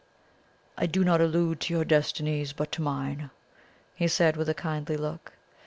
"I do not allude to your destinies, but to mine," he said, with a kindly look.